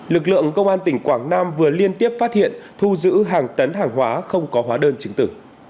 lực lượng công an tỉnh quảng nam vừa liên tiếp phát hiện thu giữ hàng tấn hàng hóa không có hóa đơn chứng tử